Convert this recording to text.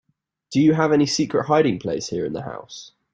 Do you have any secret hiding place here in the house?